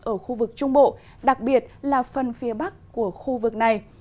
ở khu vực trung bộ đặc biệt là phần phía bắc của khu vực này